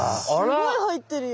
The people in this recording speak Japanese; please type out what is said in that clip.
すごい入ってるよ。